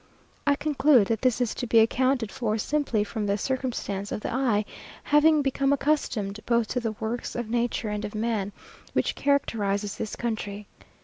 I conclude that this is to be accounted for simply from the circumstance of the eye having become accustomed both to the works of nature and of man, which characterize this country.